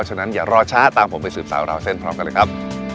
ฉะนั้นอย่ารอช้าตามผมไปสืบสาวราวเส้นพร้อมกันเลยครับ